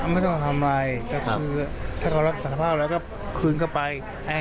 ไม่ต้องทำอะไรก็คือถ้าเขารับสารภาพแล้วก็คืนเข้าไป